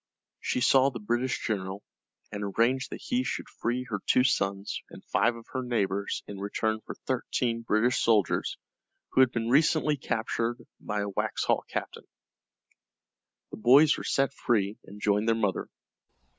She saw the British general, and arranged that he should free her two sons and five of her neighbors in return for thirteen British soldiers who had been recently captured by a Waxhaw captain. The boys were set free, and joined their mother.